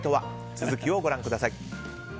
続きをご覧ください。